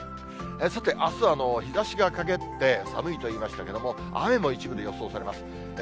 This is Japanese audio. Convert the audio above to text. さて、あすは日ざしがかげって寒いと言いましたけども、雨も一部で予想されます。